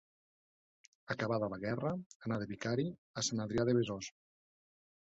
Acabada la guerra anà de vicari a Sant Adrià de Besòs.